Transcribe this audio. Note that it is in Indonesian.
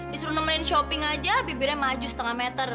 disuruh nemenin shopping aja bibirnya maju setengah meter